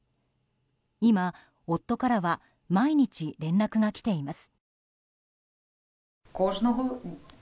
今、夫からは毎日連絡が来ています。